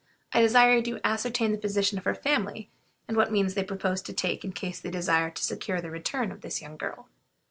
I desire you to ascertain the position of her family, and what means they propose to take in case they desire to secure the return of this young girl."